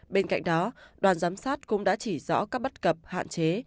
bên cạnh đó đoàn giám sát cũng đã chỉ rõ các bất cập hạn chế